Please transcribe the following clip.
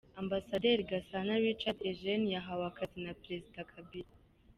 Ambasaderi Gasana Richard Eugene yahawe akazi na Perezida Kabila